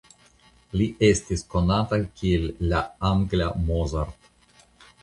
Li estis konata kiel la «angla Mozart».